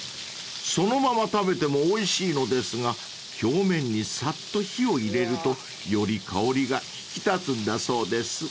［そのまま食べてもおいしいのですが表面にさっと火を入れるとより香りが引き立つんだそうです］